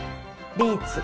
ビーツ。